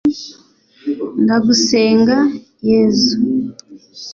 ndagusenga yezu